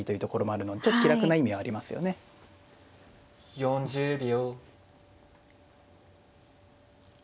４０秒。